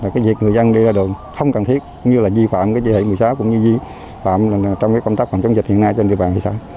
cái việc người dân đi ra đường không cần thiết như là di phạm cái dị hệ một mươi sáu cũng như di phạm trong cái công tác phòng chống dịch hiện nay trên địa bàn một mươi sáu